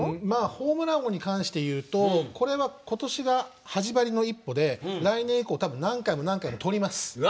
ホームラン王に関しては今年が始まりの一歩で来年以降、何回も何回もとります。